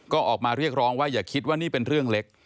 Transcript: ก็ออกมาเรียกร้องว่าอย่าคิดว่านี่เป็นเรื่องเล็ก